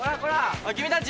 おい君たち。